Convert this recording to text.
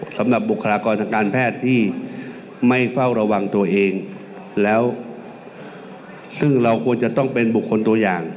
สำหรับบุคลากรทางการแพทย์ที่ไม่เฝ้าระวังตัวเองแล้วซึ่งเราควรจะต้องเป็นบุคคลตัวอย่าง